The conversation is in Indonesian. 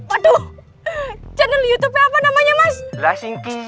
aduh channel youtube apa namanya mas